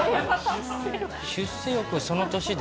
出世欲、その年で？